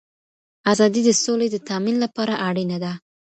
آزادي د سولی د تأمین لپاره اړینه ده.